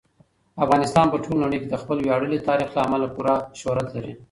افغانستان په ټوله نړۍ کې د خپل ویاړلي تاریخ له امله پوره شهرت لري.